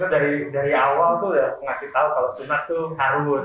dari dari awal tuh ya ngasih tahu kalau sunat tuh harus